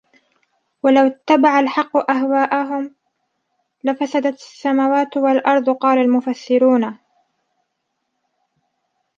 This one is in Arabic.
وَلَوْ اتَّبَعَ الْحَقُّ أَهْوَاءَهُمْ لَفَسَدَتْ السَّمَوَاتُ وَالْأَرْضُ قَالَ الْمُفَسِّرُونَ